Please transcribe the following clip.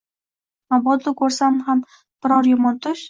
Mabodo ko’rsa ham biror yomon tush